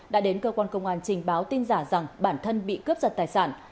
đã đến cơ quan công an trình báo tin giả rằng bản thân bị cướp giật tài sản